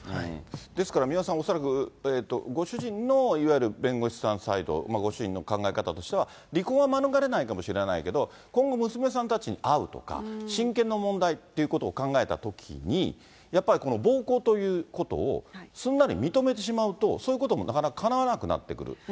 ですから三輪さん、恐らくご主人のいわゆる弁護士さんサイド、ご主人の考え方としては、離婚は免れないかもしれないけど、今後、娘さんたちに会うとか、親権の問題ということを考えたときに、やっぱりこの暴行ということを、すんなり認めてしまうと、そういうこともなかなかかなわなくなってくる。